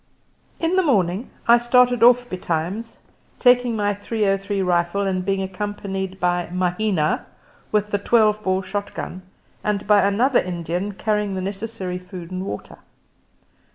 In the morning I started off betimes, taking my .303 rifle and being accompanied by Mahina with the 12 bore shot gun, and by another Indian carrying the necessary food and water.